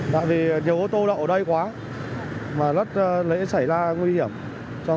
bởi vì nhiều ô tô đậu ở đây quá mà rất lễ xảy ra nguy hiểm cho người ninh thông